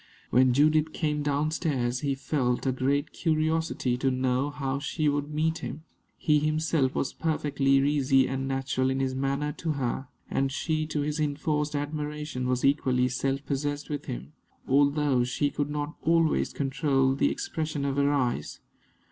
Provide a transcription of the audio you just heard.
When Judith came down stairs, he felt a great curiosity to know how she would meet him. He himself was perfectly easy and natural in his manner to her; and she, to his enforced admiration, was equally self possessed with him, although she could not always control the expression of her eyes.